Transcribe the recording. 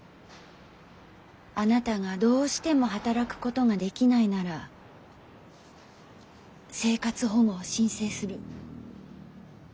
あなたがどうしても働くことができないなら生活保護を申請する。